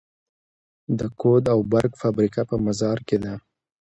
د کود او برق فابریکه په مزار کې ده